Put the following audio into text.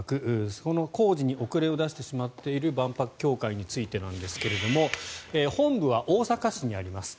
その工事に遅れを出してしまっている万博協会についてですが本部は大阪市にあります。